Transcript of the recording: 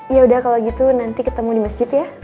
yaudah kalo gitu nanti ketemu di masjid ya